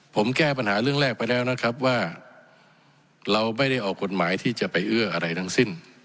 ผมแก้ปัญหาเรื่องแรกไปแล้วนะครับว่าเราไม่ได้ออกกฎหมายที่จะไปเอื้ออะไรทั้งสิ้น